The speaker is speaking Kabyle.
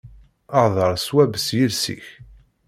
Hder ṣṣwab s yiles-ik.